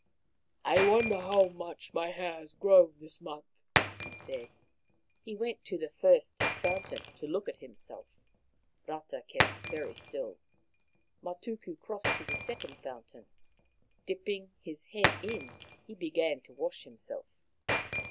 " I wonder how much my hair has grown this month," he said. He went to the first 160 Maoriland Fairy Tales fountain to look at himself. Rata kept very still. Matuku crossed to the second fountain. Dip ping his head in, he began to wash himself.